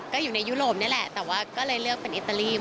ก็อยู่ในยุโรปนี่แหละแต่ว่าก็เลยเลือกเป็นอิตาลี